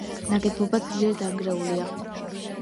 ნაგებობა ძლიერ დანგრეულია.